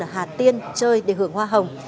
ở hà tiên chơi để hưởng hoa hồng